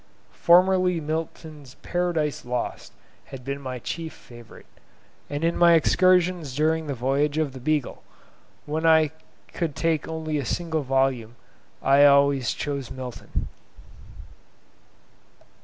Formerly Milton's 'Paradise Lost' had been my chief favourite, and in my excursions during the voyage of the "Beagle", when I could take only a single volume, I always chose Milton.